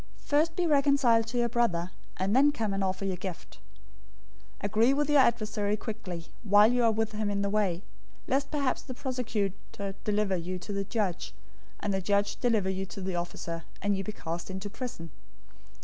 First be reconciled to your brother, and then come and offer your gift. 005:025 Agree with your adversary quickly, while you are with him in the way; lest perhaps the prosecutor deliver you to the judge, and the judge deliver you to the officer, and you be cast into prison.